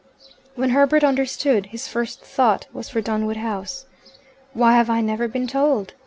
When Herbert understood, his first thought was for Dunwood House. "Why have I never been told?"